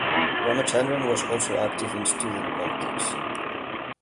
Ramachandran was also active in student politics.